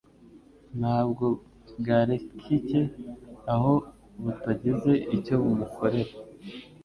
ntabwo bwarekcye aho butagize icyo bumukorera.